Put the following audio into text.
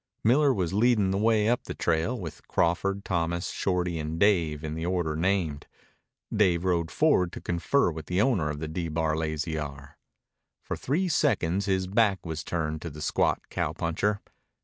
Miller was leading the way up the trail, with Crawford, Thomas, Shorty, and Dave in the order named. Dave rode forward to confer with the owner of the D Bar Lazy R. For three seconds his back was turned to the squat cowpuncher.